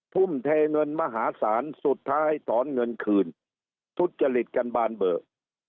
ทุ่มเทเงินมหาศาลสุดท้ายถอนเงินคืนทุจริตกันบานเบอร์